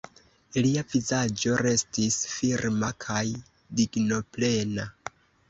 Lia vizaĝo restis firma kaj dignoplena.